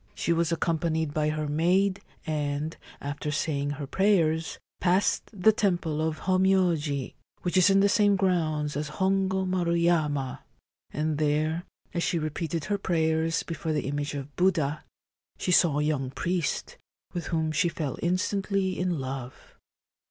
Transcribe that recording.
She was accompanied by her maid, and, after saying her prayers, passed the Temple of Hommyoji, which is in the same grounds at Kongo Maru Yama, and there, as she repeated her prayers before the image of Buddha, she saw a young priest, with whom she fell instantly in love.